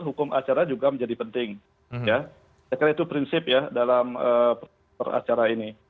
hukum acara juga menjadi penting ya saya kira itu prinsip ya dalam proses acara ini